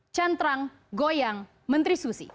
cantrang goyang menteri susi